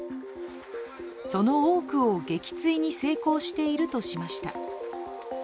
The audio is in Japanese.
その多くを撃墜に成功しているとしました。